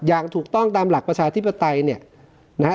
อย่างถูกต้องตามหลักประชาธิปไตยเนี่ยนะฮะ